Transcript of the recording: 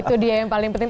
itu dia yang paling penting